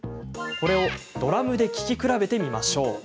ドラムで聴き比べてみましょう。